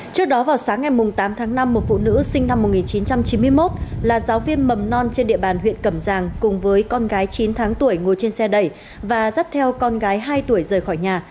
trước đó vào sáng ngày tám tháng năm một phụ nữ sinh năm một nghìn chín trăm chín mươi một là giáo viên mầm non trên địa bàn huyện cẩm giang cùng với con gái chín tháng tuổi ngồi trên xe đẩy và dắt theo con gái hai tuổi rời khỏi nhà